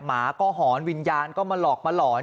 หมาก็หอนวิญญาณก็มาหลอกมาหลอน